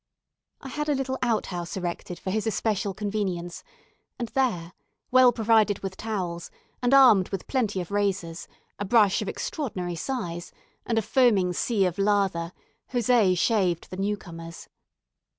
I had a little out house erected for his especial convenience; and there, well provided with towels, and armed with plenty of razors, a brush of extraordinary size, and a foaming sea of lather, José shaved the new comers.